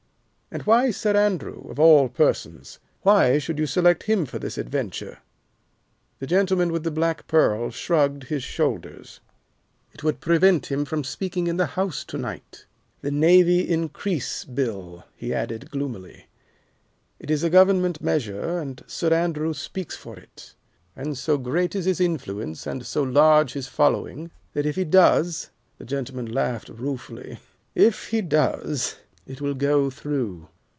"And why Sir Andrew, of all persons why should you select him for this adventure?" The gentleman with the black pearl shrugged his shoulders. "It would prevent him speaking in the House to night. The Navy Increase Bill," he added gloomily. "It is a Government measure, and Sir Andrew speaks for it. And so great is his influence and so large his following that if he does" the gentleman laughed ruefully "if he does, it will go through.